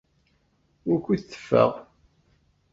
Wukud teffeɣ?